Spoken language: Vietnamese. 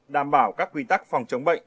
đảm bảo các quy tắc phòng chống bệnh